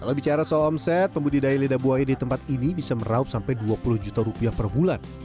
kalau bicara soal omset pembudidaya lidah buaya di tempat ini bisa meraup sampai dua puluh juta rupiah per bulan